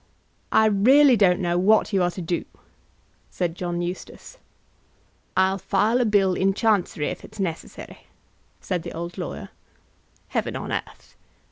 "I really don't know what you are to do," said John Eustace. "I'll file a bill in Chancery if it's necessary," said the old lawyer. "Heaven on earth!